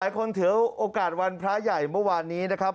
คนถือโอกาสวันพระใหญ่เมื่อวานนี้นะครับ